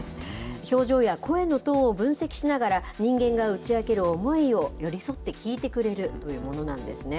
表情や声のトーンを分析しながら、人間が打ち明ける思いを寄り添って聞いてくれるというものなんですね。